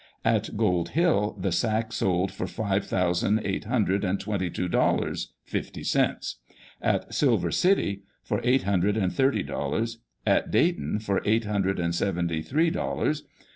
At Gold Hill the sack sold for five thousand eight hundred and twenty two dollars fifty cents; at Silver City, for eight hundred and thirty dollars; at Dayton, for eight hundred and seventy three dollars.